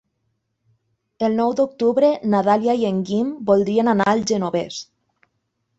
El nou d'octubre na Dàlia i en Guim voldrien anar al Genovés.